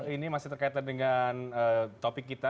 ini masih terkait dengan topik kita